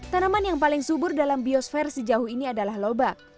tanaman yang paling subur dalam biosfer sejauh ini adalah lobak